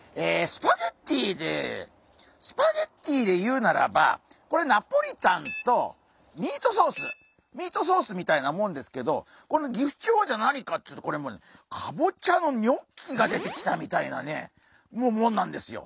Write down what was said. スパゲッティでスパゲッティで言うならばこれナポリタンとミートソースミートソースみたいなもんですけどこのギフチョウはじゃあ何かっていうとこれもうねかぼちゃのニョッキが出てきたみたいなねもんなんですよ。